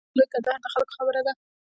د لوی کندهار د خلکو خبره ده.